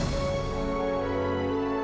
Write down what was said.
neng nona jualan di kaki lima